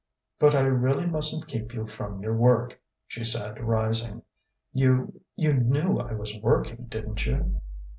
"But I really mustn't keep you from your work," she said, rising. "You you knew I was working, didn't you?"